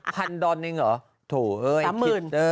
พันธนิดหนึ่งเหรอโถ่เอ้ยคิด๓๐๐๐๐